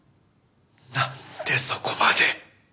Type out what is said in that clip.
なんでそこまで。